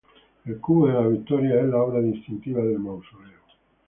El "Cubo de la Victoria" es la obra distintiva del Mausoleo.